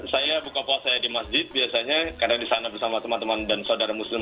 saya buka puasaya di masjid biasanya karena disana bersama teman teman dan saudara muslim